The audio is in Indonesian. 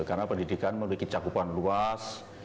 karena pendidikan memiliki cakupan luas